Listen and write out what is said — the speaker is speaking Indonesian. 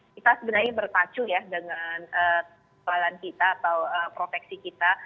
kita sebenarnya berpacu ya dengan kepalalan kita atau proteksi kita